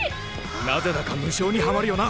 なぜだか無性にハマるよな！